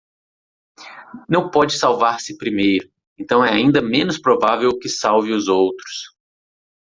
Não pode salvar-se primeiro, então é ainda menos provável que salve os outros